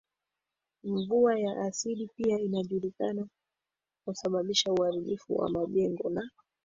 Mvua ya asidi pia inajulikana kusababisha uharibifu wa majengo na